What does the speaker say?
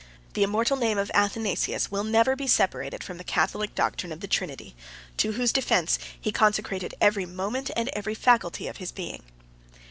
The immortal name of Athanasius 96 will never be separated from the Catholic doctrine of the Trinity, to whose defence he consecrated every moment and every faculty of his being.